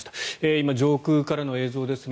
今、上空からの映像ですね。